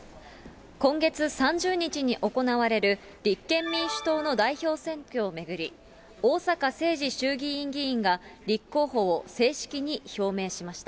今月３０日に行われる立憲民主党の代表選挙を巡り、逢坂誠二衆議院議員が立候補を正式に表明しました。